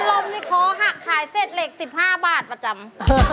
ลมนี่คอหักขายเศษเหล็ก๑๕บาทประจำ